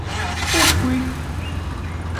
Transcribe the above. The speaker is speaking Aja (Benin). Opwi.